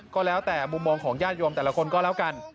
ก็แล้วแต่มุมมองของญาติโยมแต่ละคนก็แล้วกัน